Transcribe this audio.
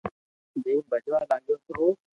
جيم ڀجوا لاگيو تو